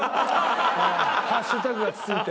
ハッシュタグが付いて。